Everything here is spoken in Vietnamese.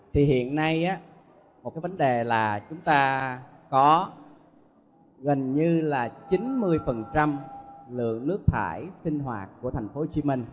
thì hiện nay một cái vấn đề là chúng ta có gần như là chín mươi lượng nước thải sinh hoạt của thành phố hồ chí minh